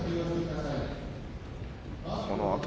このあと。